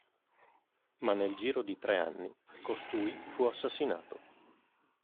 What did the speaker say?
Ma nel giro di tre anni, costui fu assassinato.